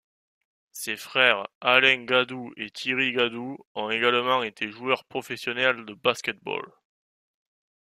Ses frères, Alain Gadou et Thierry Gadou, ont également été joueur professionnels de basket-ball.